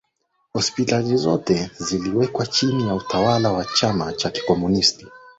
Hospitali zote nchini ziliweka chini ya utawala wa chama cha kikomunist